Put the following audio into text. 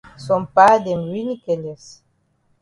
Some pa dem really careless.